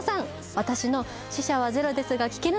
私の「死者はゼロです」が聞けるのか